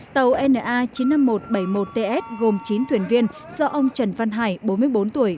tàu na chín mươi năm nghìn một trăm bảy mươi một ts gồm chín thuyền viên do ông trần văn hải bốn mươi bốn tuổi